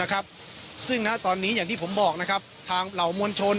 ซึ่งณตอนนี้อย่างที่ผมบอกนะครับทางเหล่ามวลชน